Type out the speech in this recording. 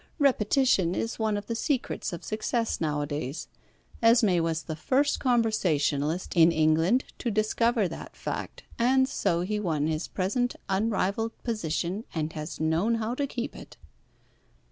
Repetition is one of the secrets of success nowadays. Esmé was the first conversationalist in England to discover that fact, and so he won his present unrivalled position, and has known how to keep it."